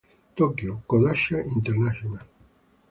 Tokyo: Kodansha International.